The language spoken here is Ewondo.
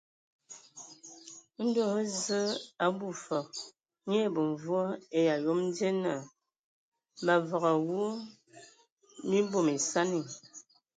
Ndo hm Zǝe a abwi fǝg, nye ai bemvoe ai ayom die naa: Mǝ avenge awu, mii bom esani.